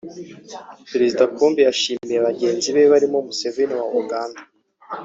Perezida Pombe yashimiye bagenzi be barimo Museveni wa Uganda